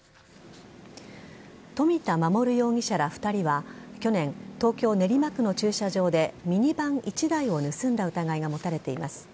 冨田守容疑者ら２人は去年、東京・練馬区の駐車場でミニバン１台を盗んだ疑いが持たれています。